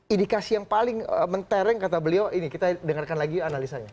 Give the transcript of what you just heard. indikasi yang paling mentereng kata beliau ini kita dengarkan lagi analisanya